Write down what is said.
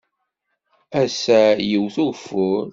Ass-a yewwet-d ugeffur.